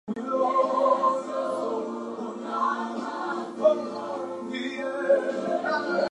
The team released him at the end of spring training.